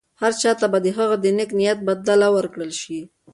هر چا ته به د هغه د نېک نیت بدله ورکړل شي.